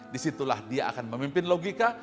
disitulah dia akan memimpin logika